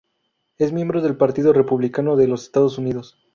Es miembro del Partido Republicano de los Estados Unidos.